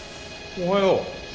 おはよう。